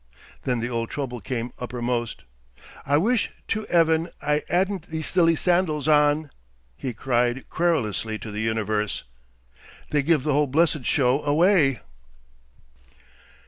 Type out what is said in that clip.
Then the old trouble came uppermost. "I wish to 'eaven I 'adn't these silly sandals on," he cried querulously to the universe. "They give the whole blessed show away."